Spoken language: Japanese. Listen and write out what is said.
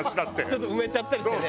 ちょっと埋めちゃったりしてね。